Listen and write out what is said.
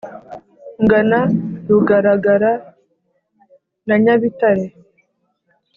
ungana rugaragara na nyabitare